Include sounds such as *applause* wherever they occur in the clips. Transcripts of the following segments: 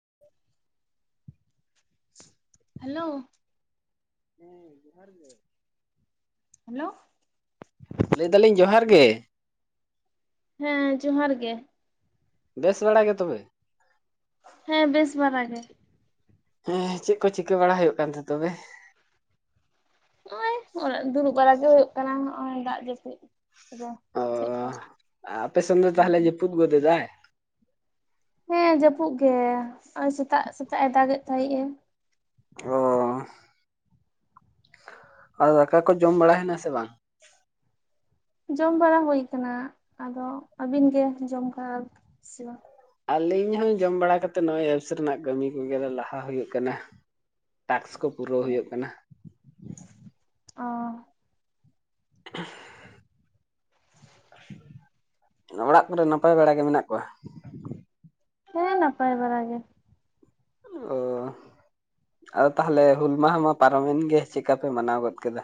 *unintelligible* Hello. ᱦᱮᱸ ᱡᱚᱦᱟᱨ ᱜᱮ ᱾ ᱦᱮᱞᱳ ᱞᱟᱹᱭ ᱫᱟᱞᱤᱧ ᱡᱚᱦᱟᱨ ᱜᱮ ᱾ ᱦᱮᱸ ᱡᱚᱦᱟᱨ ᱜᱮ ᱾ ᱵᱮᱥ ᱵᱟᱲᱟ ᱜᱮ ᱛᱚᱵᱮ ᱾ ᱦᱮᱸ ᱵᱮᱥ ᱵᱟᱨᱟ ᱜᱮ ᱾ ᱦᱮᱸ ᱪᱮᱫ ᱠᱚ ᱪᱤᱠᱟᱹ ᱵᱟᱲᱟ ᱦᱩᱭᱩᱜ ᱠᱟᱱ ᱛᱟᱦᱮᱸ ᱛᱚᱵᱮ ᱱᱚᱜᱼᱚᱭ ᱚᱲᱟᱜ ᱨᱮ ᱫᱩᱲᱩᱵ ᱵᱟᱲᱟᱜᱮ ᱦᱩᱭᱩᱜ ᱠᱟᱱᱟ ᱱᱚᱜ ᱚᱭ ᱫᱟᱜ ᱡᱟᱹᱯᱩᱫ ᱨᱮ ᱚᱻ ᱪᱮᱫ ᱠᱚ ᱟᱯᱮ ᱥᱮᱱᱫᱚ ᱛᱟᱦᱚᱞᱮ ᱡᱟᱯᱩᱫ ᱾ ᱦᱮᱸ ᱡᱟᱹᱯᱩᱫ ᱜᱮ ᱱᱚᱜᱼᱚᱭ ᱥᱮᱛᱟᱜ ᱥᱮᱛᱟᱜᱼ ᱮ ᱫᱟᱜ ᱮᱫ ᱛᱟᱦᱮᱸᱫᱼ ᱮ ᱾ ᱳᱻ ᱾ ᱟᱨ ᱫᱟᱠᱟ ᱠᱚ ᱡᱚᱢ ᱵᱟᱲᱟ ᱦᱮᱱᱟ ᱥᱮ ᱵᱟᱝ? ᱡᱚᱢ ᱵᱟᱲᱟ ᱦᱩᱭ ᱟᱠᱟᱱᱟ ᱟᱫᱚ ᱟᱹᱵᱤᱱ ᱜᱮ ᱡᱚᱢ ᱠᱟᱜ ᱥᱮ ᱵᱟᱝ? ᱟᱞᱤᱧ ᱦᱚᱸ ᱡᱚᱢ ᱵᱟᱲᱟ ᱠᱟᱛᱮ ᱱᱚ ᱮᱯᱥ ᱨᱮᱱᱟᱜ ᱠᱟᱹᱢᱤ ᱠᱚᱜᱮ ᱞᱟᱦᱟ ᱦᱩᱭᱩᱜ ᱠᱟᱱᱟ ᱴᱟᱠᱥ ᱾ ᱠᱚ ᱯᱩᱨᱟᱹᱣ ᱦᱩᱭᱩᱜ ᱠᱟᱱᱟ ᱾ ᱚᱻ ᱾ *unintelligible* ᱾ ᱚᱲᱟᱜ ᱠᱚᱨᱮ ᱱᱟᱯᱟᱭ ᱵᱟᱲᱟ ᱜᱮ ᱢᱮᱱᱟᱜ ᱠᱚᱣᱟ? ᱦᱮᱸ ᱱᱟᱯᱟᱭ ᱵᱟᱨᱟ ᱜᱮ ᱾ ᱚᱻ ᱾ ᱟᱫᱚ ᱛᱟᱦᱚᱞᱮ ᱦᱩᱞ ᱢᱟᱦᱟ ᱢᱟ ᱯᱟᱨᱚᱢᱮᱱ ᱜᱮ ᱪᱮᱠᱟᱯᱮ ᱢᱟᱱᱟᱣ ᱜᱚᱫ ᱠᱮᱫᱟ?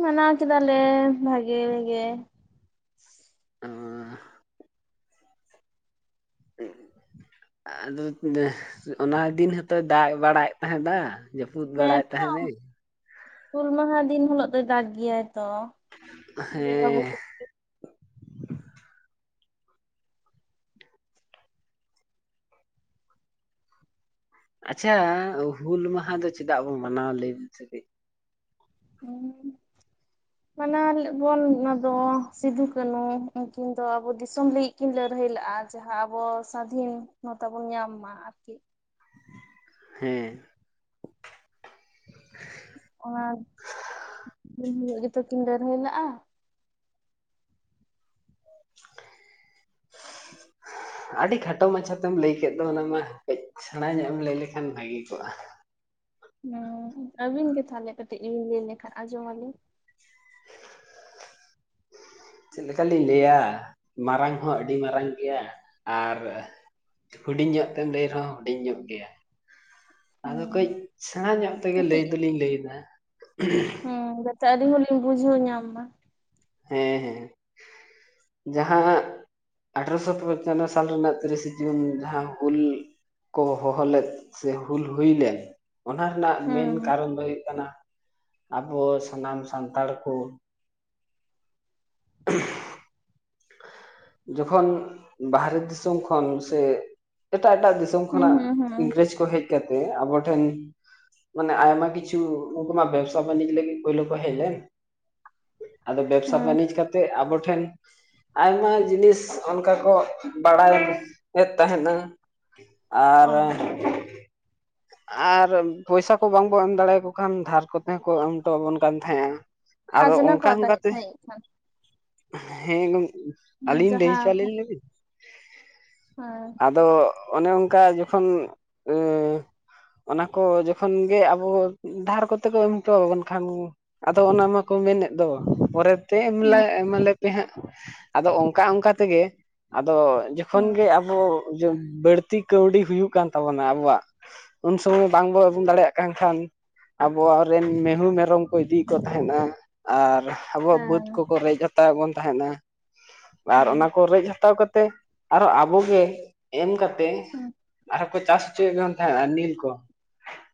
ᱢᱟᱱᱟᱣ ᱠᱮᱫᱟᱞᱮ ᱵᱷᱟᱜᱮ ᱜᱮ ᱾ ᱟᱨ *inaudible* ᱦᱮᱸ ᱟᱫᱚ ᱚᱱᱟ ᱫᱤᱱ ᱦᱚᱸᱛᱚᱭ ᱫᱟᱜ ᱵᱟᱲᱟᱭᱮᱫ ᱛᱟᱦᱮᱸᱫᱼᱟ ᱾ ᱡᱟᱹᱯᱩᱫ ᱦᱮᱸ ᱵᱟᱲᱟᱭᱮᱫ ᱛᱚ ᱛᱟᱦᱮᱱᱮ ᱦᱩᱞ ᱢᱟᱦᱟ ᱫᱤᱱ ᱦᱤᱞᱳᱜ ᱫᱚᱭ ᱫᱟᱜᱽ ᱜᱮᱭᱟᱭ ᱛᱚ ᱵᱚᱸᱜᱟ ᱦᱮᱸ ᱵᱩᱨᱩ ᱟᱪᱪᱷᱟ ᱦᱩᱞ ᱢᱟᱦᱟ ᱫᱚ ᱪᱮᱫᱟᱜ ᱵᱚᱱ ᱢᱟᱱᱟᱣ ᱞᱟᱹᱭ ᱵᱤᱱ ᱥᱮ ᱠᱟᱹᱡ? ᱦᱩᱸ *inaudible* ᱢᱟᱱᱟᱣ ᱟᱵᱚᱱ ᱚᱱᱟ ᱫᱚ ᱥᱤᱫᱩ ᱠᱟᱹᱱᱩ ᱩᱱᱠᱤᱱ ᱫᱚ ᱟᱵᱚ ᱫᱤᱥᱚᱢ ᱞᱟᱹᱜᱤᱫ ᱠᱤᱱ ᱞᱟᱹᱲ ᱦᱟᱹᱭ ᱞᱟᱜᱼᱟ ᱡᱟᱦᱟᱸ ᱟᱵᱚ ᱥᱟᱫᱷᱤᱱᱚᱛᱟ ᱵᱚᱱ ᱧᱟᱢ ᱢᱟ ᱟᱨᱠᱤ ᱦᱮᱸ ᱟᱱᱟ ᱫᱤᱱ ᱦᱤᱞᱳᱜ ᱜᱮᱛᱚᱠᱤᱱ ᱞᱟ. ᱲᱦᱟᱭ ᱞᱟᱜ-ᱟ *unintelligible* ᱟᱹᱰᱤ ᱠᱷᱟᱴᱚ ᱢᱟᱪᱷᱟᱛᱮᱢ ᱞᱟᱹᱭ ᱠᱮᱫ ᱫᱚ ᱚᱱᱟ ᱢᱟ ᱠᱟᱹᱡ ᱥᱮᱬᱟ ᱧᱚᱜ ᱮᱢ ᱞᱟᱹᱭ ᱞᱮᱠᱷᱟᱱ ᱵᱷᱟᱹᱜᱮ ᱠᱚᱜᱼᱟ ᱦᱮᱸ ᱟᱹᱵᱤᱱ ᱜᱮ ᱛᱟᱦᱚᱞᱮ ᱠᱟᱹᱴᱤᱡ ᱵᱤᱱ ᱞᱟᱹᱭ ᱞᱮᱠᱷᱟᱱ ᱟᱸᱡᱚᱢ ᱟᱹᱞᱤᱧ *unintelligible* ᱪᱮᱫ ᱞᱮᱠᱟᱞᱤᱧ ᱞᱟᱹᱭᱟ ᱢᱟᱨᱟᱝ ᱦᱚᱸ ᱟᱹᱰᱤ ᱢᱟᱨᱟᱝ ᱜᱮᱭᱟ ᱟᱨ ᱦᱩᱰᱤᱧ ᱧᱚᱜ ᱛᱮᱢ ᱞᱟᱹᱭ ᱨᱮᱦᱚᱸ ᱦᱩᱰᱤᱧ ᱧᱚᱜ ᱜᱮᱭᱟ ᱟᱫᱚ ᱠᱟᱹᱡ ᱦᱩᱸ ᱥᱮᱬᱟ ᱧᱚᱜ ᱛᱮᱜᱮ ᱞᱟᱹᱭ ᱠᱟᱹᱴᱤᱡ ᱫᱚᱞᱤᱧ ᱞᱟᱹᱭ ᱫᱟ ᱦᱩᱸ ᱡᱟᱛᱮ ᱟᱹᱞᱤᱧ ᱦᱚᱸᱞᱤᱧ ᱵᱩᱡᱷᱟᱹᱣ ᱧᱟᱢ ᱢᱟ ᱦᱮᱸ ᱦᱮᱸ ᱡᱟᱦᱟᱸ ᱟᱴᱷᱨᱚᱥᱚ ᱯᱚᱧᱪᱟᱱᱱᱚ ᱥᱟᱞ ᱨᱮᱱᱟᱜ ᱛᱤᱨᱤᱥᱮ ᱡᱩᱱ ᱡᱟᱦᱟᱸ ᱦᱩᱞ ᱠᱚ ᱦᱚᱦᱚ ᱞᱮᱫ ᱥᱮ ᱦᱩᱞ ᱦᱩᱭᱞᱮᱱ ᱚᱱᱟ ᱨᱮᱱᱟᱜ ᱢᱮᱱ ᱦᱩᱸ ᱠᱟᱨᱚᱱ ᱫᱚ ᱦᱩᱭᱩᱜ ᱠᱟᱱᱟ ᱟᱵᱚ ᱥᱟᱱᱟᱢ ᱥᱟᱱᱛᱟᱲ ᱠᱚ *unintelligible* ᱡᱚᱠᱷᱚᱱ ᱵᱟᱦᱨᱮ ᱫᱤᱥᱚᱢ ᱠᱷᱚᱱ ᱥᱮ ᱮᱴᱟᱜ ᱮᱴᱟᱜ ᱫᱤᱥᱚᱢ ᱦᱩᱸ ᱠᱷᱚᱱᱟᱜ ᱦᱩᱸ ᱦᱩᱸ ᱤᱝᱨᱮᱡᱽ ᱠᱚ ᱦᱮᱡ ᱠᱟᱛᱮ ᱟᱵᱚ ᱴᱷᱮᱱ ᱢᱟᱱᱮ ᱟᱭᱢᱟ ᱠᱤᱪᱩ ᱩᱱᱠᱩ ᱢᱟ ᱵᱮᱵᱥᱟ ᱵᱟᱱᱤᱡ ᱞᱟ. ᱜᱤᱫ ᱠᱳᱭᱞᱤ ᱠᱚ ᱦᱮᱡ ᱞᱮᱱ ᱟᱫᱚ ᱵᱮᱵᱽᱥᱟ ᱦᱩᱸ ᱵᱟᱹᱱᱤᱡᱽ ᱠᱟᱛᱮᱫ ᱟᱵᱚ ᱴᱷᱮᱱ ᱟᱭᱢᱟ ᱡᱤᱱᱤᱥ ᱚᱱᱠᱟ ᱠᱚ ᱵᱟᱲᱟᱭᱮᱫ ᱛᱟᱦᱮᱱᱟ ᱚ ᱟᱨ ᱟᱨ ᱯᱚᱭᱥᱟ ᱠᱚ ᱵᱟᱝᱵᱚᱱ ᱮᱢ ᱫᱟᱲᱮᱭᱟᱠᱚ ᱠᱷᱟᱱ ᱫᱷᱟᱨ ᱠᱚᱛᱮ ᱦᱚᱸᱠᱚ ᱮᱢ ᱦᱚᱴᱚᱣᱟᱵᱚᱱ ᱠᱟᱱ ᱛᱟᱦᱮᱸᱼᱟ ᱟᱫᱚ ᱠᱷᱟᱡᱽᱱᱟ ᱠᱚ ᱚᱱᱠᱟ ᱟᱫᱟᱭᱮᱫ ᱚᱱᱠᱟᱛᱮ ᱛᱟᱦᱮᱸᱜ ᱠᱷᱟᱱ ᱦᱮᱸ ᱜᱚᱢᱠᱮ ᱟᱹᱞᱤᱧ ᱞᱟᱹᱭ ᱡᱟᱦᱟᱸ ᱪᱚᱣ ᱞᱟᱹᱭᱵᱤᱱ ᱦᱮᱸ ᱟᱫᱚ ᱚᱱᱮ ᱚᱱᱠᱟ ᱡᱚᱠᱷᱚᱱ ᱮ ᱚᱱᱟ ᱠᱚ ᱡᱚᱠᱷᱚᱱ ᱜᱮ ᱟᱵᱚ ᱫᱷᱟᱨ ᱠᱚᱛᱮ ᱠᱚ ᱮᱢ ᱦᱚᱴᱚᱣᱟᱵᱚᱱ ᱠᱷᱟᱱ ᱟᱫᱚ ᱚᱱᱟ ᱢᱟᱠᱚ ᱢᱮᱱᱮᱫ ᱫᱚ ᱯᱚᱨᱮ ᱯᱮ ᱮᱢ ᱦᱩᱸ ᱞᱮ ᱮᱢᱞᱮᱯᱮ ᱦᱟᱸᱜ ᱟᱫᱚ ᱚᱱᱠᱟ ᱚᱱᱠᱟ ᱛᱮᱜᱮ ᱟᱫᱚ ᱡᱚᱠᱷᱚᱱ ᱦᱩᱸ ᱜᱮ ᱟᱵᱚ ᱵᱟᱹᱲᱛᱤ ᱠᱟᱹᱣᱰᱤ ᱦᱩᱭᱩᱜ ᱠᱟᱱ ᱛᱟᱵᱚᱱᱟ ᱟᱵᱚᱣᱟᱜ ᱩᱱ ᱥᱚᱢᱚᱭ ᱵᱟᱝᱵᱚᱱ ᱮᱢ ᱫᱟᱲᱮᱭᱟᱜ ᱠᱟᱱ ᱠᱷᱟᱱ ᱟᱵᱚᱣᱟᱜ ᱨᱮᱱ ᱢᱤᱦᱩ ᱢᱮᱨᱚᱢ ᱠᱚ ᱤᱫᱤᱭᱮᱫ ᱠᱚ ᱛᱟᱦᱮᱱᱟ ᱟᱨ ᱟᱵᱚᱣᱟᱜ ᱵᱟᱹᱫᱽ ᱦᱮᱸ ᱠᱚᱠᱚ ᱨᱮᱡ ᱦᱟᱛᱟᱣᱮᱫ ᱵᱚᱱ ᱛᱟᱦᱮᱸᱫᱱᱟ ᱟᱨ ᱦᱩᱸ ᱚᱱᱟ ᱠᱚ ᱨᱮᱡ ᱦᱟᱛᱟᱣ ᱠᱟᱛᱮᱫ ᱟᱨᱚ ᱟᱵᱚᱜᱮ ᱮᱢ ᱠᱟᱛᱮ ᱦᱩᱸ ᱟᱨᱦᱚ ᱠᱚ ᱪᱟᱥ ᱦᱚᱪᱚᱭᱮᱫ ᱠᱟᱱ ᱛᱟᱦᱮᱸᱫᱱᱟ ᱱᱤᱞ ᱠᱚ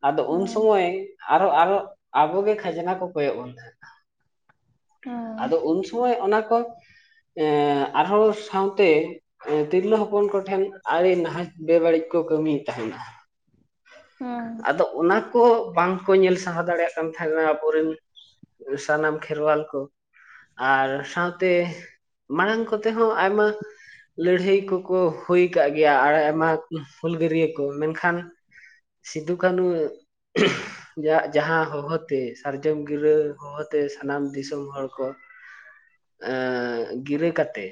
ᱟᱫᱚ ᱩᱱ ᱦᱩᱸ ᱥᱚᱢᱚᱭ ᱟᱨᱚ ᱟᱨᱚ ᱟᱵᱚᱜᱮ ᱠᱷᱟᱡᱽᱱᱟ ᱠᱚ ᱠᱚᱭᱮᱜ ᱵᱚᱱ ᱛᱟᱦᱮᱱᱟ ᱟᱫᱚ ᱩᱱ ᱥᱚᱢᱚᱭ ᱚᱱᱟ ᱠᱚ ᱟᱨᱦᱚᱸ ᱥᱟᱶᱛᱮ ᱛᱤᱨᱞᱟᱹ ᱦᱚᱯᱚᱱ ᱠᱚᱴᱷᱮᱱ ᱟᱹᱰᱤ ᱱᱟᱦᱟᱪ ᱵᱮᱵᱟᱹᱲᱤᱡ ᱠᱚ ᱠᱟᱹᱢᱤᱭᱮᱫ ᱛᱟᱦᱮᱱᱟ ᱦᱩᱸ ᱟᱫᱚ ᱚᱱᱟ ᱠᱚ ᱵᱟᱝ ᱠᱚ ᱧᱮᱞ ᱥᱟᱦᱟᱣ ᱫᱟᱲᱮᱭᱟᱜ ᱠᱟᱱ ᱛᱟᱦᱮᱸᱱᱟ ᱟᱵᱚᱨᱮᱱ ᱥᱟᱱᱟᱢ ᱠᱷᱮᱨᱣᱟᱞ ᱠᱚ ᱟᱨ ᱥᱟᱶᱛᱮ ᱢᱟᱲᱟᱝ ᱠᱚᱛᱮ ᱦᱚᱸ ᱟᱭᱢᱟ ᱞᱟᱹᱲᱦᱟᱹᱭ ᱠᱚᱠᱚ ᱦᱩᱭ ᱠᱟᱜ ᱜᱮᱭᱟ ᱟᱨ ᱟᱭᱢᱟ ᱦᱩᱞᱜᱟᱹᱨᱭᱟᱹ ᱠᱚ ᱢᱮᱱᱠᱷᱟᱱ ᱥᱤᱫᱷᱩ ᱠᱟᱱᱩ ᱡᱟᱜ ᱡᱟᱦᱟᱸ ᱦᱚᱦᱚᱛᱮ ᱥᱟᱨᱡᱚᱢ ᱜᱤᱨᱟᱹ ᱦᱚᱦᱚᱛᱮ ᱥᱟᱱᱟᱢ ᱫᱤᱥᱚᱢ ᱦᱚᱲ ᱠᱚ ᱮ ᱜᱤᱨᱟᱹ ᱠᱟᱛᱮ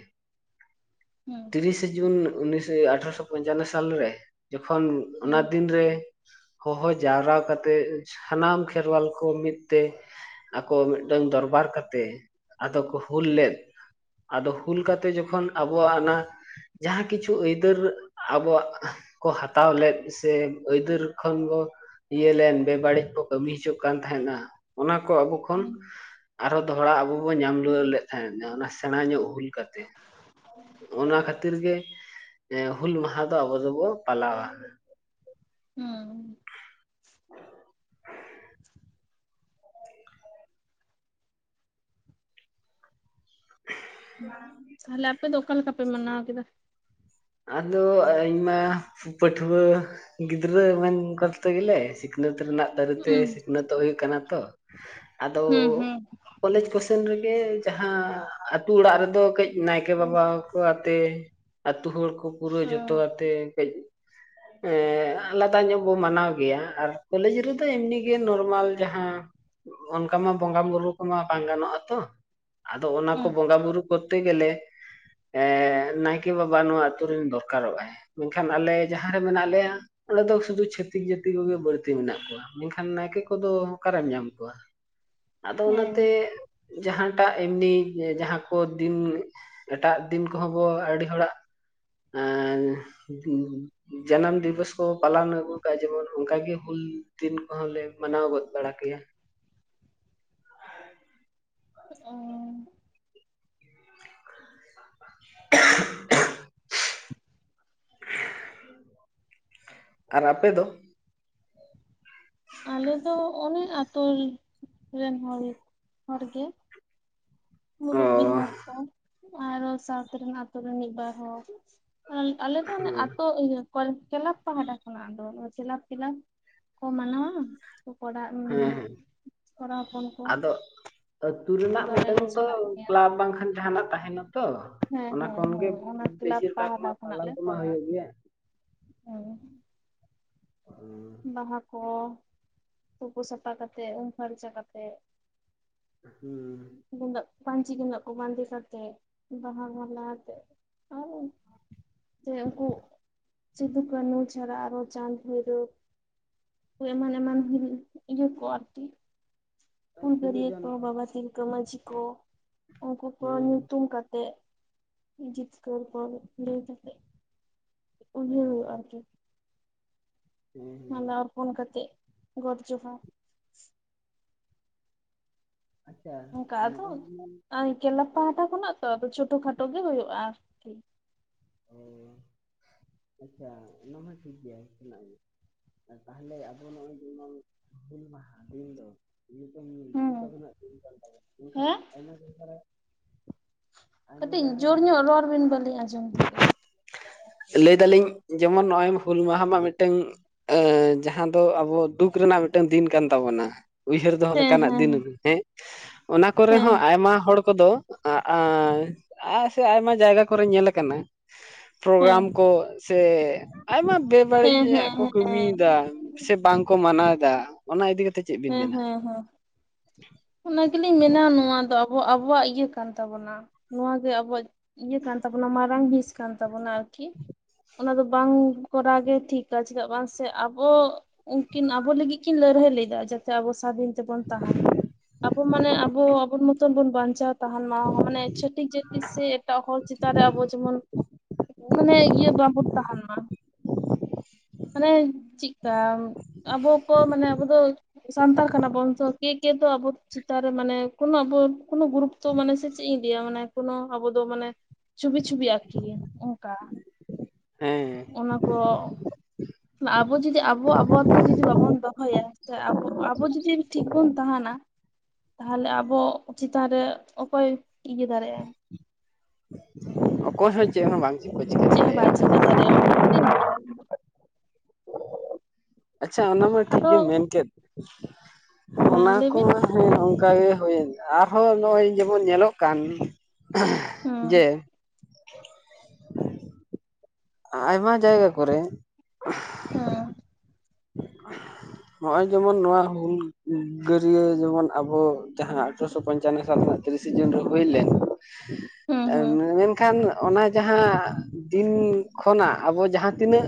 ᱦᱩᱸ ᱛᱤᱨᱤᱥᱮ ᱡᱩᱱ ᱩᱱᱤᱥ ᱟᱴᱷᱮᱨᱚᱥᱚ ᱯᱚᱧᱪᱟᱱᱱᱚ ᱥᱟᱞᱨᱮ ᱡᱚᱠᱷᱚᱱ ᱦᱩᱸ ᱚᱱᱟ ᱫᱤᱱᱨᱮ ᱦᱚᱦᱚ ᱡᱟᱣᱨᱟ ᱠᱟᱛᱮᱜ ᱥᱟᱱᱟᱢ ᱠᱷᱮᱨᱣᱟᱞ ᱠᱚ ᱢᱤᱫ ᱛᱮ ᱟᱠᱚ ᱢᱤᱫᱴᱟᱝ ᱫᱚᱨᱵᱟᱨ ᱠᱟᱛᱮ ᱟᱫᱚ ᱠᱚ ᱦᱩᱞ ᱞᱮᱫ ᱟᱫᱚ ᱦᱩᱞ ᱠᱟᱛᱮ ᱡᱚᱠᱷᱚᱱ ᱟᱵᱚᱣᱟᱜ ᱚᱱᱟ ᱡᱟᱦᱟᱸ ᱠᱤᱪᱷᱩ ᱟᱹᱭᱫᱟᱹᱨ ᱟᱵᱚᱣᱟᱜ ᱠᱚ ᱦᱟᱛᱟᱣ ᱞᱮᱫ ᱥᱮ ᱟᱹᱭᱫᱟᱹᱨ ᱵᱚ ᱤᱭᱟᱹ ᱞᱮᱱ ᱵᱮᱵᱟᱹᱲᱤᱡ ᱠᱚ ᱠᱟᱹᱢᱤ ᱦᱚᱪᱚ ᱠᱟᱱ ᱛᱟᱦᱮᱸᱱᱟ ᱚᱱᱟ ᱠᱚ ᱟᱵᱚ ᱠᱷᱚᱱ ᱦᱩᱸ ᱟᱨᱦᱚᱸ ᱫᱚᱦᱲᱟ ᱟᱵᱚ ᱵᱚᱱ ᱧᱟᱢ ᱞᱩ ᱞᱮᱫ ᱛᱦᱱᱟ ᱚᱱᱟ ᱥᱮᱬᱟ ᱧᱚᱜ ᱦᱩᱞ ᱠᱟᱛᱮ ᱚᱱᱟ ᱠᱷᱟᱹᱛᱤᱨ ᱜᱮ ᱦᱩᱞ ᱢᱟᱦᱟ ᱫᱚ ᱟᱵᱚ ᱫᱚᱵᱚ ᱯᱟᱞᱟᱣᱟ ᱦᱩᱸ *unintelligible* *unintelligible* ᱛᱟᱦᱚᱞᱮ ᱟᱯᱮ ᱫᱚ ᱚᱠᱟ ᱞᱮᱠᱟ ᱯᱮ ᱢᱟᱱᱟᱣ ᱠᱮᱫᱟ? ᱟᱫᱚ ᱤᱧ ᱢᱟ ᱯᱟᱹᱴᱷᱣ ᱜᱤᱫᱽᱨᱟᱹ ᱢᱟᱧ ᱠᱚᱨᱛ ᱜᱮᱞᱮ ᱥᱤᱠᱱᱟᱹᱛ ᱨᱮᱱᱟᱜ ᱫᱟ ᱡᱚᱛᱚ ᱦᱩᱸ ᱥᱤᱠᱷᱱᱟᱹᱛᱚᱜ ᱦᱩᱭᱩᱜ ᱠᱟᱱᱟ ᱛᱚ ᱟᱫᱚ ᱦᱩᱸ ᱦᱩᱸ ᱠᱚᱞᱮᱡᱽ ᱠᱚᱥᱮᱱ ᱨᱮᱜᱮ ᱡᱟᱦᱟᱸ ᱟᱛᱳ ᱚᱲᱟᱜ ᱨᱮᱫᱚ ᱠᱟᱹᱡ ᱱᱟᱭᱠᱮ ᱦᱩᱸ ᱵᱟᱵᱟ ᱠᱚ ᱟᱛᱮ ᱟᱹᱛᱩ ᱦᱚᱲ ᱠᱚ ᱯᱩᱨᱟᱹ ᱡᱚᱛᱚ ᱟᱛᱮ ᱠᱟᱹᱡ ᱮᱸ ᱞᱟᱫᱟ ᱧᱚᱜ ᱵᱚ ᱢᱟᱱᱟᱣ ᱜᱮᱭᱟ ᱟᱨ ᱠᱚᱞᱮᱡᱽ ᱨᱮᱫᱚ ᱮᱢᱱᱤ ᱜᱮ ᱱᱚᱨᱢᱟᱞ ᱡᱟᱦᱟᱸ ᱚᱱᱠᱟ ᱢᱟ ᱵᱚᱸᱜᱟ ᱵᱩᱨᱩ ᱠᱚᱢᱟ ᱵᱟᱝ ᱜᱟᱱᱚᱜ ᱟᱛᱚ ᱟᱫᱚ ᱚᱱᱟ ᱠᱚ ᱦᱩᱸ ᱵᱚᱸᱜᱟ ᱵᱩᱨᱩ ᱠᱚᱨᱛᱮ ᱜᱮᱞᱮ ᱮ ᱱᱟᱭᱠᱮ ᱵᱟᱵᱟ ᱱᱚᱣᱟ ᱟᱛᱳ ᱨᱮᱱ ᱫᱚᱨᱠᱟᱨᱚᱜᱼᱟ ᱢᱮᱱᱠᱷᱟᱱ ᱟᱞᱮ ᱡᱟᱦᱟᱸ ᱨᱮ ᱢᱮᱱᱟᱜ ᱞᱮᱭᱟ ᱚᱸᱰᱮ ᱫᱚ ᱥᱩᱫᱷᱩ ᱪᱷᱹᱛᱤᱠ ᱡᱟᱹᱛᱤ ᱵᱟᱹᱲᱛᱤ ᱢᱮᱱᱟᱜ ᱠᱚᱣᱟ ᱢᱮᱱᱠᱷᱟᱱ ᱱᱟᱭᱠᱮ ᱠᱚᱫᱚ ᱚᱠᱟᱨᱮᱢ ᱧᱟᱢ ᱠᱚᱣᱟ? ᱟᱫᱚ ᱦᱮᱸ ᱚᱱᱟᱛᱮ ᱡᱟᱦᱟᱸ ᱴᱟᱜ ᱮᱢᱱᱤ ᱡᱟᱦᱟᱸ ᱠᱚ ᱫᱤᱱ ᱮᱴᱟᱜ ᱫᱤᱱ ᱠᱚᱦᱚᱸ ᱵᱚ ᱟᱹᱰᱤ ᱦᱚᱲᱟᱜ ᱟᱨ ᱡᱟᱱᱟᱢ ᱫᱤᱵᱚᱥ ᱠᱚ ᱯᱟᱞᱚᱱ ᱟᱹᱜᱩ ᱟᱠᱟᱫᱼᱟ ᱡᱮᱢᱚᱱ ᱚᱱᱠᱟᱜᱮ ᱦᱩᱞ ᱫᱤᱱ ᱠᱚᱦᱚᱸ ᱞᱮ ᱢᱟᱱᱟᱣ ᱜᱚᱫ ᱵᱟᱲᱟ ᱠᱮᱭᱟ᱾ ᱚ *unintelligible* ᱟᱨ ᱟᱯᱮ ᱫᱚ? ᱟᱞᱮ ᱫᱚ ᱚᱱᱮ ᱟᱛᱳ ᱨᱮᱱ ᱦᱚᱲ ᱦᱚᱲ ᱜᱮ ᱚ ᱢᱩᱨᱩᱵ ᱵᱤ ᱦᱚᱲᱠᱚ ᱟᱨᱦᱚᱸ ᱥᱟᱶᱛᱟ ᱨᱮᱱ ᱟᱛᱳ ᱨᱮᱱ ᱢᱤᱫ ᱵᱟᱨ ᱦᱚᱸ ᱟᱞᱮ ᱛᱚ ᱢᱟᱱᱮ ᱦᱮᱸ ᱟᱛᱳ ᱤᱭᱟᱹ ᱠᱮᱞᱟᱵᱽ ᱯᱟᱦᱴᱟ ᱠᱷᱚᱱᱟᱜ ᱟᱫᱚ ᱠᱮᱞᱟᱵᱽ ᱠᱮᱞᱟᱵᱽ ᱠᱚ ᱢᱟᱱᱟᱣᱟ ᱚᱲᱟᱜ ᱦᱮᱸ ᱦᱮᱸ ᱠᱚᱲᱟ ᱦᱚᱯᱚᱱ ᱠᱚ ᱟᱫᱚ ᱟᱹᱛᱩ ᱨᱮᱱᱟᱜ ᱟᱫᱚ ᱟᱞ ᱢᱤᱫᱴᱟᱝ ᱞᱮ ᱪᱟᱞᱟᱜ ᱜᱮᱭᱟ ᱠᱞᱟᱵᱽ ᱵᱟᱝᱠᱷᱟᱱ ᱡᱟᱦᱟᱱᱟᱜ ᱛᱟᱦᱮᱸᱱᱟ ᱛᱚ ᱦᱮᱸ ᱚᱱᱟ ᱦᱮᱸ ᱠᱷᱚᱱᱜᱮ ᱦᱮᱸ ᱚᱱᱟ ᱠᱞᱟᱵᱽ ᱵᱮᱥᱤᱨ ᱵᱷᱟᱜᱽ ᱯᱟᱦᱴᱟ ᱢᱟ ᱠᱷᱚᱱᱟᱜ ᱯᱟᱞᱟᱣ ᱞᱮ ᱠᱚᱢᱟ ᱠᱚᱨᱟᱣᱟ ᱦᱩᱭᱩᱜ ᱜᱮᱭᱟ᱾ ᱦᱩᱸ ᱦᱮᱸ ᱵᱟᱦᱟ ᱠᱚ ᱛᱩᱯᱩ ᱥᱟᱯᱷᱟ ᱠᱟ ᱠᱟᱛᱮᱫ ᱩᱢ ᱯᱷᱟᱨᱪᱟ ᱠᱟᱛᱮᱫ ᱦᱮᱸ ᱯᱟᱹᱧᱪᱤ ᱰᱮᱸᱜᱟ ᱠᱚ ᱵᱟᱸᱫᱮ ᱠᱟ ᱠᱟᱛᱮᱫ ᱵᱟᱦᱟ ᱢᱟᱞᱟᱛᱮ ᱟᱨ ᱥᱮ ᱩᱱᱠᱩ ᱥᱤᱫᱩ ᱠᱟᱹᱦᱱᱩ ᱪᱷᱟᱲᱟ ᱟᱨᱦᱚᱸ ᱪᱟᱱᱫᱽ ᱵᱷᱟᱭᱨᱚᱵ ᱮᱢᱟᱱ ᱮᱢᱟᱱ ᱤᱭᱟᱹ ᱠᱚ ᱟᱨᱠᱤ ᱯᱷᱩᱞᱳ ᱦᱩᱞᱜᱟᱹᱨᱤᱭᱟᱹ ᱠᱚ ᱡᱷᱟᱱᱚ ᱵᱟᱵᱟ ᱛᱤᱞᱠᱟᱹ ᱢᱟᱹᱡᱷᱤ ᱠᱚ ᱩᱱᱠᱩ ᱠᱚ ᱦᱮᱸ ᱧᱩᱛᱩᱢ ᱠᱟᱛᱮᱫ ᱡᱤᱛᱠᱟᱹᱨ ᱠᱟᱛᱮᱫ ᱩᱭᱦᱟᱹᱨ ᱚ ᱦᱩᱭᱩᱜᱼᱟ ᱟᱨ ᱠᱤ ᱦᱮᱸ ᱦᱮᱸ ᱢᱟᱞᱟ ᱚᱨᱯᱚᱱ ᱠᱟᱛᱮᱫ ᱜᱚᱰ ᱡᱚᱦᱟᱨ ᱟᱪᱪᱷᱟ ᱚᱱᱠᱟ ᱟᱫᱚ ᱱᱚᱜᱼᱚᱭ ᱡᱮᱢᱚᱱ ᱠᱮᱞᱟᱵᱽ ᱯᱟᱦᱴᱟ ᱠᱷᱚᱱᱟᱜ ᱛᱚ *unintelligible* ᱠᱷᱟᱴᱚ ᱠᱷᱟᱴᱚ ᱜᱮ ᱦᱩᱭᱩᱜᱼᱟ ᱟᱨᱠᱤ᱾ ᱚ ᱟᱪᱪᱷᱟ ᱚᱱᱟ ᱢᱟ ᱴᱷᱤᱠ ᱜᱮᱭᱟ ᱛᱟᱦᱚᱞᱮ ᱟᱵᱚ ᱱᱚᱜᱼᱚᱭ ᱡᱮᱢᱚᱱ ᱦᱩᱞ ᱢᱟᱦᱟ ᱫᱤᱱ ᱫᱚ ᱱᱤᱛ ᱧᱩᱛᱩᱢ ᱦᱩᱸ ᱠᱟᱱ ᱛᱟᱵᱚᱱᱟ ᱮᱠᱷᱟᱱ ᱦᱮᱸ ᱟᱭᱢᱟ ᱡᱟᱭᱜᱟ ᱨᱮ ᱟᱭᱢᱟ ᱠᱟᱹᱴᱤᱡ ᱡᱟᱭᱜᱟ ᱨᱮ ᱡᱳᱨ ᱧᱮᱞ ᱧᱚᱜ ᱨᱚᱲ ᱵᱮᱱ ᱵᱟᱹᱞᱤᱧ ᱟᱸᱡᱚᱢ ᱫᱟ ᱞᱟᱹᱭᱫᱟᱞᱤᱧ ᱡᱮᱢᱚᱱ ᱱᱚᱜᱼᱚᱭ ᱦᱩᱞ ᱢᱟᱦᱟ ᱢᱟ ᱢᱤᱫᱴᱟᱝ ᱡᱟᱦᱟᱸ ᱫᱚ ᱟᱵᱚ ᱫᱩ ᱫᱩᱠ ᱨᱮᱱᱟᱜ ᱢᱤᱫᱴᱟᱝ ᱫᱤᱱ ᱠᱟᱱ ᱛᱟᱵᱚᱱᱟ ᱩᱭᱦᱟᱹᱨ ᱫᱚᱦᱚ ᱦᱮᱸ ᱞᱮᱠᱟᱱᱟᱜ ᱦᱮᱸ ᱫᱤᱱ ᱦᱮᱸ ᱚᱱᱟ ᱠᱚᱨᱮ ᱦᱮᱸ ᱦᱚᱸ ᱟᱭᱢᱟ ᱦᱚᱲ ᱠᱚᱫᱚ ᱟᱹ ᱥᱮ ᱟᱭᱢᱟ ᱡᱟᱭᱜᱟ ᱠᱚᱨᱮ ᱧᱮᱞ ᱦᱮᱸ ᱯᱨᱚᱜᱨᱟᱢ ᱠᱚ ᱥᱮ ᱟᱭᱢᱟ ᱦᱮᱸ ᱵᱮᱵᱟᱹᱲᱤᱡᱟᱜ ᱦᱮᱸ ᱠᱚ ᱠᱟᱹᱢᱤᱭᱮᱫᱟ ᱦᱮᱸ ᱥᱮ ᱵᱟᱝ ᱠᱚ ᱢᱟᱱᱟᱣ ᱮᱫᱟ᱾ ᱚᱱᱟ ᱤᱫᱤ ᱠᱟᱛᱮ ᱠᱟᱛᱮᱫ ᱪᱮᱫ ᱵᱤᱱ ᱦᱮᱸ ᱢᱮᱱᱟ? ᱦᱮᱸ ᱦᱮᱸ ᱚᱱᱟ ᱜᱮᱞᱤᱧ ᱢᱮᱱᱟ ᱱᱚᱣᱟ ᱫᱚ ᱟᱵ ᱟᱵᱚᱣᱟᱜ ᱤᱭᱟᱹ ᱠᱟᱱ ᱛᱟᱵᱚᱱᱟ ᱱᱚᱣᱟᱣᱟᱜ ᱜᱮ ᱟᱵᱚᱣᱟᱜ ᱤᱭᱟᱹ ᱠᱟᱱ ᱛᱟᱵᱚᱱᱟ ᱢᱟᱨᱟᱝ ᱦᱤᱸᱥ ᱠᱟᱱ ᱛᱟᱵᱚᱱᱟ᱾ ᱟᱨᱠᱤ ᱚᱱᱟ ᱫᱚ ᱵᱟᱝ ᱠᱚᱨᱟᱣ ᱜᱮ ᱴᱷᱤᱠᱟ ᱪᱮᱫᱟᱜ ᱵᱟᱝ ᱥᱮ ᱟᱵᱚ ᱩᱱᱠᱤᱱ ᱟᱵᱚ ᱞᱟᱹᱜᱤᱫ ᱠᱤᱱ ᱞᱟᱹᱲᱦᱟᱹᱭ ᱞᱮᱫᱟ ᱡᱟᱛᱮ ᱟᱵᱚ ᱥᱟᱫᱷᱤᱱ ᱛᱮᱵᱚᱱ ᱛᱟᱦᱮᱱ ᱢᱟ᱾ ᱟᱵᱚ ᱢᱟᱱᱮ ᱟᱵᱚ ᱟᱵᱚ ᱢᱚᱛᱚᱱ ᱵᱚᱱ ᱵᱟᱧᱪᱟᱣ ᱛᱟᱦᱮᱱ ᱢᱟ ᱢᱟᱱᱮ ᱪᱷᱟᱹᱴᱤᱠ ᱡᱟᱹᱛᱤ ᱥᱮ ᱮᱴᱟᱜ ᱦᱚᱲ ᱪᱮᱛᱟᱱ ᱨᱮ ᱟᱵᱚ ᱡᱮᱢᱚᱱ ᱢᱟᱱᱮ ᱤᱭᱟᱹ ᱵᱟᱵᱚᱱ ᱛᱟᱦᱮᱱ ᱢᱟ ᱢᱟᱱᱮ ᱪᱮᱫᱠᱟ ᱟᱵᱚ ᱠᱚ ᱢᱟᱱᱮ ᱟᱵᱚ ᱫᱚ ᱥᱟᱱᱛᱟᱲ ᱠᱟᱱᱟ ᱵᱚᱱ ᱛᱟ ᱠᱤ ᱮ ᱟᱵᱚ ᱪᱮᱛᱟᱱ ᱨᱮ ᱢᱟᱱᱮ ᱠᱚᱱᱚ ᱟᱵᱚ ᱠᱚᱱᱚ ᱜᱨᱛᱚ ᱢᱟᱱᱮ ᱥᱮ ᱪᱮᱫ ᱤᱧ ᱞᱟᱹᱭᱟ ᱢᱟᱱᱮ ᱠᱚ ᱟᱵᱚ ᱫᱚ ᱢᱮ ᱪᱷᱚᱵᱤ ᱪᱷᱚᱵᱤ ᱟᱨᱠᱤ ᱚᱝᱠᱟ ᱦᱮᱸ ᱚᱱᱟ ᱠᱚ ᱟᱵᱚ ᱡᱩᱫᱤ ᱟᱵᱚ ᱟᱵᱚ ᱛᱮ ᱡᱩᱫᱤ ᱵᱟᱵᱚᱱ ᱫᱚᱦᱚᱭᱟ ᱥᱮ ᱟᱵᱚ ᱟᱵᱚ ᱡᱩᱫᱤ ᱴᱷᱤᱠ ᱵᱚᱱ ᱛᱟᱦᱮᱱᱟ᱾ ᱛᱟᱦᱚᱞᱮ ᱟᱵᱚ ᱪᱮᱛᱟᱱ ᱨᱮ ᱚᱠᱚᱭ ᱤᱭᱟᱹ ᱫᱟᱲᱮᱭᱟᱜᱼᱟᱭ᱾ ᱚᱚᱭ ᱦᱟ ᱪᱮᱫ ᱦᱚᱸ ᱵᱟᱝ ᱠᱚ ᱪᱤᱠᱟᱹ ᱪᱮᱫ ᱦᱚᱸ ᱵᱟᱭ ᱪᱤᱠᱟᱹ ᱫᱟᱲᱮᱭᱟᱜᱼᱟ ᱫᱟᱲᱮᱭᱟᱜᱼᱟ ᱚᱱᱟ ᱜᱮᱞᱤᱝ ᱞᱮᱭᱟ ᱟᱞᱤᱝ ᱫᱚ ᱟᱪᱪᱷᱟ ᱚᱱᱟ ᱢᱟ ᱴᱷᱤᱠ ᱟᱫᱚ ᱜᱮᱢ ᱢᱮᱱᱠ ᱚᱱᱟ ᱦᱮᱸ ᱞᱟᱹᱭ ᱵᱤᱱ ᱠᱚᱢᱟ ᱦᱮᱸ ᱠᱟᱭᱮ ᱦᱩᱭᱮᱱ ᱟᱨᱦᱚᱸ ᱱᱚᱜᱼᱚᱭ ᱡᱮᱢᱚᱱ ᱧᱮᱞᱚᱜ ᱠᱟᱱ ᱡᱮ ᱦᱮᱸ *unintelligible* ᱟᱭᱢᱟ ᱡᱟᱭᱜᱟ ᱠᱚᱨᱮ ᱦᱮᱸ ᱱᱚᱜᱼᱚᱭ ᱡᱮᱢᱚᱱ ᱱᱚᱣᱟ ᱦᱩᱞ ᱜᱟᱹᱨᱭᱟᱹ ᱡᱮᱢᱚᱱ ᱟᱵᱚ ᱡᱟᱦᱟᱸ ᱟᱪᱟᱨᱚᱥᱚ ᱯᱚᱧᱪᱟᱱᱚ ᱥᱟᱞ ᱛᱤᱨᱤᱥᱮ ᱡᱩᱱ ᱨᱮ ᱦᱩᱭ ᱞᱮᱱ ᱦᱮᱸ ᱦᱮᱸ ᱢᱮᱱᱠᱷᱟᱱ ᱚᱱᱟ ᱡᱟᱦᱟᱸ ᱫᱤᱱ ᱠᱷᱚᱱᱟᱜ ᱟᱵᱚ ᱡᱟᱦᱟᱸ ᱛᱤᱱᱟᱹᱜ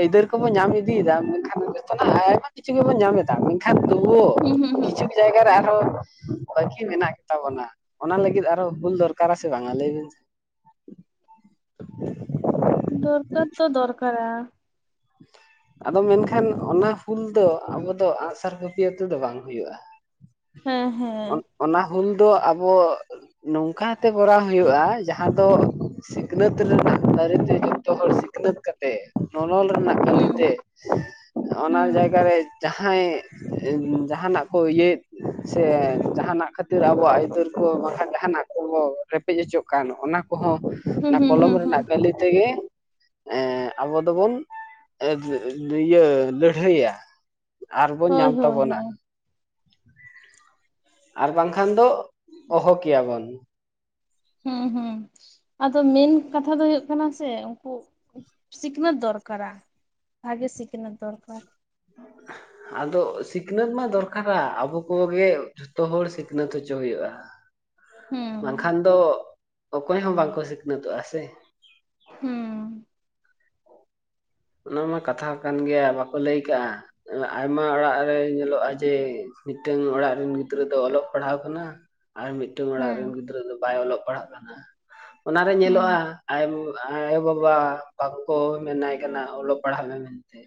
ᱟᱹᱭᱫᱟᱹᱨ ᱠᱚᱵᱚ ᱧᱟᱢ ᱤᱫᱤᱭᱮᱫᱟ ᱢᱮᱱᱠᱷᱟᱱ ᱟᱭᱢᱟ ᱠᱤᱪᱷᱩ ᱜᱮᱵᱚᱱ ᱧᱟᱢ ᱮᱫᱟ ᱢᱮᱱᱠᱷᱟᱱ ᱛᱩᱣ ᱦᱩᱸ ᱦᱩᱸ ᱦᱩᱸ ᱠᱤᱪᱷᱩ ᱡᱟᱭᱜᱟ ᱨᱮ ᱟᱨ ᱵᱚ ᱵᱟᱹᱠᱤ ᱢᱮᱱᱟᱜ ᱜᱮᱛᱟᱵᱚᱱᱟ᱾ ᱚᱱᱟ ᱞᱟᱹᱜᱤᱫ ᱟᱨᱚ ᱵᱷᱩᱞ ᱫᱚᱨᱠᱟᱨᱟ ᱥᱮ ᱵᱟᱝᱟ ᱞᱟᱹᱭ ᱵᱤᱱ ᱥᱮ *unintelligible* ᱫᱚᱨᱠᱟᱨ ᱛᱚ ᱫᱚᱨᱠᱟᱨᱟ *unintelligible* ᱟᱫᱚ ᱢᱮᱱᱠᱷᱟᱱ ᱚᱱᱟ ᱦᱩᱞ ᱫᱚ ᱟᱵᱚ ᱫᱚ ᱟᱸᱜᱥᱟᱨ ᱠᱟᱹᱯᱤᱭᱟᱹᱛᱮ ᱫᱚ ᱵᱟᱝ ᱦᱩᱭᱩᱜᱼᱟ᱾ ᱦᱮᱸ ᱚᱱ ᱦᱮᱸ ᱚᱱᱟ ᱦᱩᱞ ᱫᱚ ᱟᱵᱚ ᱱᱚᱝᱠᱟᱛᱮ ᱠᱚᱨᱟᱣ ᱦᱩᱭᱩᱜᱼᱟ᱾ ᱡᱟᱦᱟᱸ ᱫᱚ ᱥᱤᱠᱷᱱᱟᱹᱛ ᱨᱮᱱᱟᱜ ᱫᱟᱨᱮᱛᱮ ᱡᱚᱛᱚ ᱦᱚᱲ ᱥᱤᱠᱷᱱᱟᱹᱛ ᱠᱟᱛᱮ ᱱᱚᱱᱚᱞ ᱨᱮᱱᱟᱜ ᱠᱟᱹᱞᱤ ᱦᱩᱸ ᱛᱮ ᱚᱱᱟ ᱦᱩᱸ ᱡᱟᱭᱜᱟ ᱨᱮ ᱡᱟᱦᱟᱸᱭ ᱡᱟᱦᱟᱱᱟᱜ ᱠᱚ ᱤᱭᱟᱹᱮᱫ ᱥᱮ ᱡᱟᱦᱟᱱᱟᱜ ᱠᱷᱟᱹᱛᱤᱨ ᱟᱵᱚᱣᱟᱜ ᱟᱹᱭᱫᱟᱹᱨ ᱠᱚ ᱡᱟᱦᱟᱱᱟᱜ ᱠᱚᱵᱚ ᱨᱮᱯᱮᱡ ᱚᱪᱚᱜ ᱠᱟᱱ ᱚᱱᱟ ᱠᱚ ᱠᱚᱦᱚᱸ ᱦᱩᱸ ᱚᱱᱟ ᱦᱩᱸ ᱠᱚᱞᱚᱢ ᱦᱩᱸ ᱦᱩᱸ ᱨᱮᱱᱟᱜ ᱠᱟᱹᱞᱤ ᱛᱮᱜᱮ ᱟᱵᱚ ᱫᱚᱵᱚᱱ ᱮ ᱤᱭᱟᱹ ᱞᱟᱹᱲᱦᱟᱹᱭᱟ᱾ ᱟᱨᱵᱚᱱ ᱦᱳᱭ ᱧᱟᱢ ᱦᱳᱭ ᱛᱟᱵᱚᱱᱟ ᱦᱳᱭ ᱟᱨ ᱵᱟᱝᱠᱷᱟᱱ ᱫᱚ ᱚᱦᱚᱠᱮᱭᱟᱵᱚᱱ ᱦᱩᱸ ᱦᱩᱸ ᱟᱫᱚ ᱢᱮᱱ ᱠᱟᱛᱷᱟ ᱫᱚ ᱦᱩᱭᱩᱜ ᱠᱟᱱᱟ ᱥᱮ ᱩᱱᱠᱩ ᱥᱤᱠᱷᱱᱟᱹᱛ ᱫᱚᱨᱠᱟᱨ ᱠᱟᱮᱟ ᱵᱷᱜᱮ ᱥᱤᱠᱱᱟᱹᱛ ᱫᱚᱨᱠᱟᱨ *unintelligible* ᱟᱫᱚ ᱥᱤᱠᱷᱱᱟᱹᱛ ᱢᱟ ᱫᱚᱨᱠᱟᱨᱟ ᱟᱵᱚ ᱠᱚᱜᱮ ᱡᱷᱚᱛᱚ ᱦᱚᱲ ᱥᱤᱠᱷᱱᱟᱹᱛ ᱦᱚᱪᱚ ᱦᱩᱭᱩᱜᱼᱟ᱾ ᱦᱩᱸ ᱵᱟᱝᱠᱷᱟᱱ ᱫᱚ ᱚᱠᱚᱭ ᱦᱚᱸ ᱵᱟᱝᱠᱚ ᱥᱤᱠᱷᱱᱟᱹᱛᱚᱜᱼᱟ ᱥᱮ ᱦᱩᱸ ᱚᱱᱟᱢᱟ ᱠᱟᱛᱷᱟ ᱠᱟᱱ ᱜᱮᱭᱟ ᱵᱟᱠᱚ ᱞᱟᱹᱭ ᱠᱟᱜᱼᱟ᱾ ᱟᱭᱢᱟ ᱚᱲᱟᱜ ᱨᱮ ᱧᱮᱞᱚᱜᱼᱟ ᱡᱮ ᱢᱤᱫᱴᱟᱝ ᱚᱲᱟᱜ ᱨᱮᱱ ᱜᱤᱫᱽᱨᱟᱹ ᱫᱚ ᱚᱞᱚᱜ ᱯᱟᱲᱦᱟᱣ ᱠᱟᱱᱟ᱾ ᱟᱨ ᱢᱤᱫᱴᱟᱝ ᱚᱲᱟᱜ ᱨᱮᱱ ᱦᱮᱸ ᱜᱤᱫᱽᱨᱟᱹ ᱫᱚ ᱵᱟᱭ ᱚᱞᱚᱜ ᱯᱟᱲᱦᱟᱜ ᱠᱟᱱᱟ ᱚᱱᱟᱨᱮ ᱧᱮᱞᱚᱜᱼᱟ᱾ ᱦᱩᱸ ᱟᱭᱢᱟ ᱟᱭᱳ -ᱵᱟᱵᱟ ᱵᱟᱠᱚ ᱢᱮᱱᱟᱭ ᱠᱟᱱᱟ ᱚᱞᱚᱜ ᱯᱟᱲᱦᱟᱜ ᱢᱮ ᱢᱮᱱᱛᱮ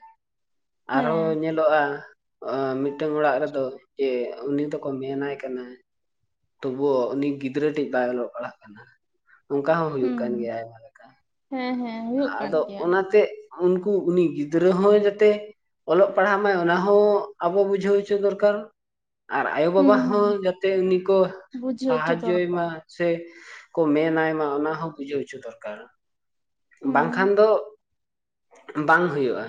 ᱟᱨᱦᱚᱸ ᱦᱮᱸ ᱧᱮᱞᱚᱜᱼᱟ᱾ ᱢᱤᱫᱴᱟᱝ ᱚᱲᱟᱜ ᱨᱮᱫᱚ ᱡᱮ ᱩᱱᱤ ᱫᱚᱠᱚ ᱢᱮᱱᱟ ᱟᱭ ᱠᱟᱱᱟ᱾ ᱛᱚᱵᱩ ᱩᱱᱤ ᱜᱤᱫᱽᱨᱟᱹ ᱴᱤᱜ ᱵᱟᱭ ᱚᱞᱚᱜ ᱯᱟᱲᱦᱟᱜ ᱠᱟᱱᱟ᱾ ᱚᱱᱠᱟ ᱦᱚᱸ ᱦᱩᱭᱩᱜ ᱠᱟᱱ ᱦᱩᱸ ᱜᱮᱭᱟ ᱟᱭᱢᱟ ᱞᱮᱠᱟ᱾ ᱦᱮᱸ ᱦᱮᱸ ᱦᱩᱭᱩᱜ ᱠᱟᱱ ᱟᱫᱚ ᱜᱮᱭᱟ ᱚᱱᱟᱛᱮ ᱩᱱᱠᱩ ᱩᱱᱤ ᱜᱤᱫᱽᱨᱟᱹ ᱦᱚᱸ ᱡᱟᱛᱮ ᱚᱞᱚᱜ ᱯᱟᱲᱦᱟᱜ ᱢᱟᱭ ᱚᱱᱟᱦᱚᱸ ᱟᱵᱚ ᱵᱩᱡᱷᱟᱹᱣ ᱦᱚᱪᱚ ᱫᱚᱨᱠᱟᱨ ᱟᱨ ᱟᱭᱳ ᱵᱟᱵᱟ ᱦᱩᱸ ᱦᱚᱸ ᱦᱩᱸ ᱡᱟᱛᱮ ᱩᱱᱤ ᱠᱚ ᱵᱩᱡᱷᱟᱹᱣ ᱦᱚᱪᱚ ᱥᱟᱦᱟᱡᱚᱭ ᱢᱟ ᱫᱚᱨᱠᱟᱨ ᱥᱮ ᱠᱚ ᱢᱮᱱᱟ ᱟᱭ ᱢᱟ᱾ ᱚᱱᱟ ᱦᱚᱸ ᱵᱩᱡᱷᱟᱹᱣ ᱦᱚᱪᱚ ᱫᱚᱨᱠᱟᱨ ᱵᱟᱝᱠᱷᱟᱱ ᱫᱚ ᱵᱟᱝ ᱦᱩᱭᱩᱜᱼᱟ᱾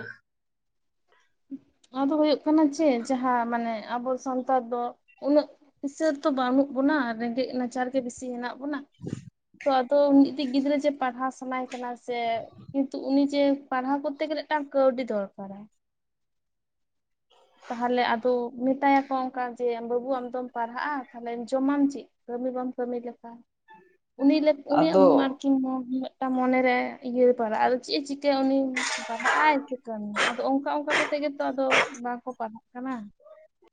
*unintelligible* ᱟᱫᱚ ᱦᱳᱭᱳᱜ ᱠᱟᱱᱟ ᱪᱮ ᱡᱟᱦᱟᱸ ᱢᱟᱱᱮ ᱟᱵᱚ ᱥᱟᱱᱛᱟᱲ ᱫᱚ ᱩᱱᱟᱹᱜ ᱠᱤᱥᱟᱹᱨ ᱫᱚ ᱵᱟᱹᱱᱩᱜ ᱵᱚᱱᱟ᱾ ᱨᱮᱸᱜᱮᱡ ᱱᱟᱪᱟᱨ ᱜᱮ ᱵᱤᱥᱤ ᱦᱮᱱᱟᱜ ᱵᱚᱱᱟ ᱛᱚ ᱟᱫᱚ ᱠᱟᱹᱴᱤᱡ ᱜᱤᱫᱽᱨᱟᱹ ᱡᱮ ᱯᱟᱲᱦᱟᱣ ᱥᱟᱱᱟᱭᱮ ᱠᱟᱱᱟ ᱥᱮ ᱠᱤᱛᱩ ᱩᱱᱤ ᱡᱮ ᱯᱟᱲᱦᱟᱣ ᱠᱚᱨᱛᱮ ᱜᱮᱞᱮ ᱢᱤᱫᱴᱟᱝ ᱠᱟᱹᱣᱰᱤ ᱫᱚᱦ ᱠᱟᱨᱟᱭ ᱛᱟᱦᱞᱮ ᱟᱫᱚ ᱢᱮᱛᱟᱭᱟᱠᱚ ᱚᱱᱠᱟ ᱡᱮ ᱵᱟᱹᱵᱩ ᱟᱢ ᱫᱚᱚᱢ ᱯᱟᱲᱦᱟᱜᱼᱟ᱾ ᱛᱟᱦᱞᱮ ᱡᱚᱢᱟᱢ ᱪᱮᱫ? ᱠᱟᱹᱢᱤ ᱵᱟᱢ ᱠᱟᱹᱢᱤ ᱞᱮᱠᱷᱟᱱ ᱦ *unintelligible* ᱩᱱᱤ ᱩᱱᱤᱭᱟᱜ ᱢᱟᱨᱠᱤᱝ ᱦᱚᱸ ᱮᱴᱟ ᱢᱚᱱᱮᱨᱮ ᱤᱭᱟᱹᱟᱹᱨ ᱯᱟᱲᱟᱜᱼᱟ᱾ ᱟᱫᱚ ᱪᱮᱫᱼ ᱮ ᱪᱤᱠᱟᱹᱭᱟ ᱩᱱᱤ ᱯᱟᱲᱦᱟᱜ ᱟᱭ ᱥᱮ ᱠᱟᱹᱢᱤᱭᱟ ᱟᱫᱚ ᱚᱱᱠᱟ ᱚᱱᱠᱟ ᱠᱟᱛᱮ ᱜᱮᱛᱚ ᱟᱫᱚ ᱵᱟᱝᱠᱚ ᱯᱟᱲᱦᱟᱜ ᱠᱟᱱᱟ᱾